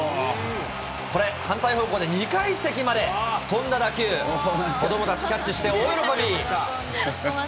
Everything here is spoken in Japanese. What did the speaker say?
これ、反対方向で２階席まで飛んだ打球、子どもたちキャッチして、大喜び。